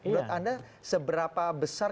menurut anda seberapa besar